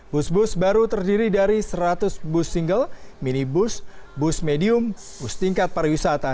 bus bus baru terdiri dari seratus bus single minibus bus medium bus tingkat pariwisata